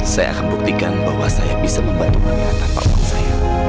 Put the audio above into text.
saya akan buktikan bahwa saya bisa membantu menyehat tanpa uang saya